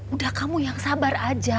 udah kamu yang sabar aja